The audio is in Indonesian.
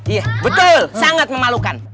iya betul sangat memalukan